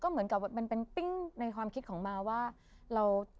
เหมือนกับมันเป็นปิ้งในความคิดของมาว่าเรา